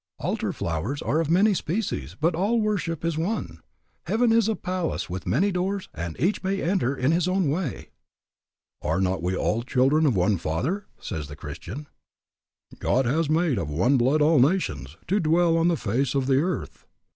"Altar flowers are of many species, but all worship is one." "Heaven is a palace with many doors, and each may enter in his own way." "Are we not all children of one Father?" says the Christian. "God has made of one blood all nations, to dwell on the face of the earth."